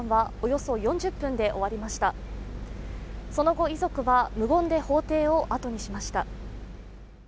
その後遺族は、無言で法廷をあとにしました。